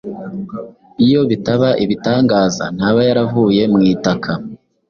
iyo bitaba ibitangaza ntaba yaravuye mu itaka